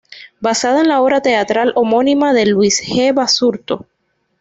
Basada en la obra teatral homónima de Luis G. Basurto.